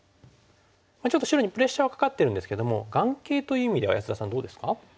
ちょっと白にプレッシャーはかかってるんですけども眼形という意味では安田さんどうですか？